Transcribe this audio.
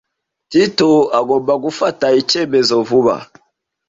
Tito agomba gufata icyemezo vuba.